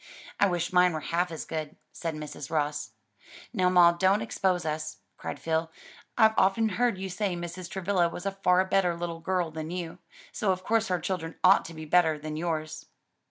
"I wish mine were half as good," said Mrs. Ross. "Now ma, don't expose us," cried Phil. "I've often heard you say Mrs. Travilla was a far better little girl than you; so of course her children ought to be better than yours."